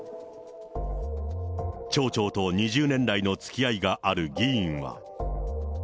町長と２０年来のつきあいがある議員は。